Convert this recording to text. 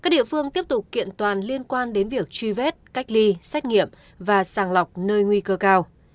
điện toàn liên quan đến việc truy vết cách ly xét nghiệm và sàng lọc nơi nguy cơ cao